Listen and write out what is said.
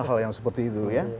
hal yang seperti itu